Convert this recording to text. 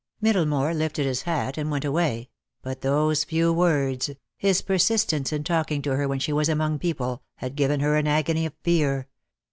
Middlemore lifted his hat and went away, but those few words, his persistence in talking to her when she was among people, had given her an agony of fear.